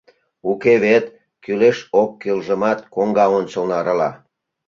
Уке вет, кӱлеш-оккӱлжымат коҥга ончылно арала.